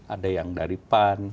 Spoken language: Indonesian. ada yang dari pan